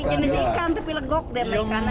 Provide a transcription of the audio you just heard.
jenis ikan tapi legok dengan ikan